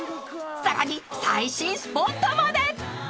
［さらに最新スポットまで！］